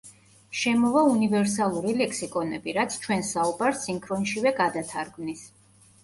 შემოვა უნივერსალური ლექსიკონები, რაც ჩვენს საუბარს სინქრონშივე გადათარგმნის.